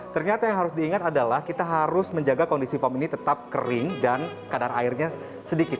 ternyata yang harus diingat adalah kita harus menjaga kondisi foam ini tetap kering dan kadar airnya sedikit